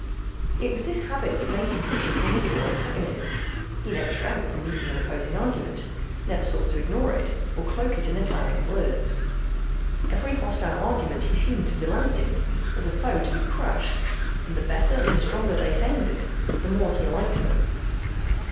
It was this habit that made him such a formidable antagonist. He never shrank from meeting an opposing argument, never sought to ignore it, or cloak it in a cloud of words. Every hostile argument he seemed to delight in, as a foe to be crushed, and the better and stronger they sounded the more he liked them.